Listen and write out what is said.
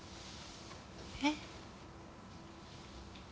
えっ？